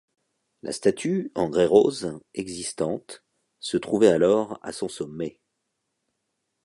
La statue, en grès rose, existante se trouvait alors à son sommet.